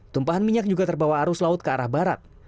tumpahan minyak juga terbawa arus laut ke arah barat